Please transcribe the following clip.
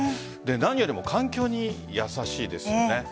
何よりも環境に優しいですよね。